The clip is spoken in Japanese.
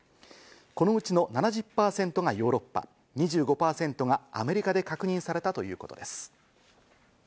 このうちの７０％がヨーロッパ、２５％がアメリカで確認されたということです。